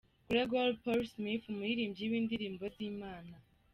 Gregory Paul Smith umuririmbyi w’indirimbo z’Imana.